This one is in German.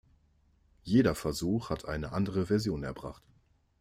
Jeder Versuch hat eine andere Version erbracht.